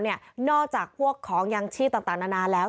นอกจากพวกของยางชีพต่างนานาแล้ว